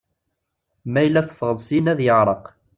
Ma yella teffɣeḍ syin ad iɛreq.